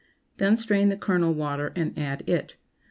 Then strain the kernel water and add it.